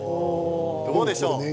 どうでしょう？